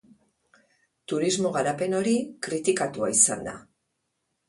Turismo garapen hori kritikatua izan da.